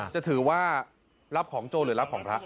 จะถือว่ารับของโจรหรือรับของพระ